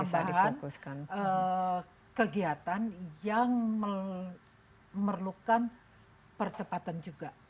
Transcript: jadi ini berarti ada penambahan kegiatan yang memerlukan percepatan juga